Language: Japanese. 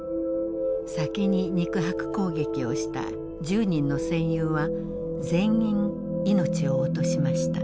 先に肉薄攻撃をした１０人の戦友は全員命を落としました。